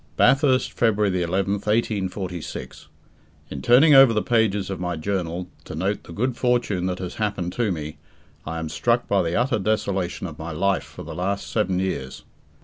Bathurst, February 11th, 1846. In turning over the pages of my journal, to note the good fortune that has just happened to me, I am struck by the utter desolation of my life for the last seven years.